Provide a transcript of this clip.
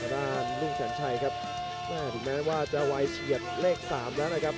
รุ่งชันชัยครับแม้ว่าจะเอาไว้เฉียบเลข๓แล้วนะครับ